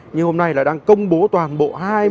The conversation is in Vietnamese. như hôm nay là đang công bố toàn bộ hai mươi